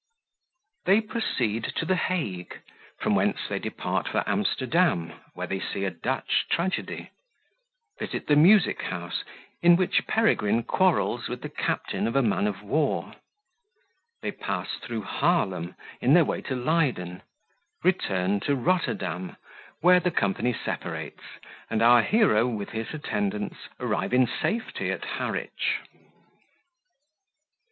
They proceed to the Hague; from whence they depart for Amsterdam, where they see a Dutch Tragedy Visit the Music house, in which Peregrine quarrels with the Captain of a Man of War They pass through Haerlem, in their way to Leyden Return to Rotterdam, where the Company separates, and our Hero, with his Attendants, arrive in safety at Harwich.